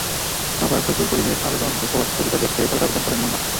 আবার ফজলুল করিমের আবেদন ওপর স্থগিতাদেশ চেয়ে পাল্টা আবেদন করেন মন্নাফ।